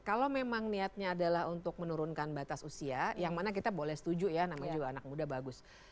kalau memang niatnya adalah untuk menurunkan batas usia yang mana kita boleh setuju ya namanya juga anak muda bagus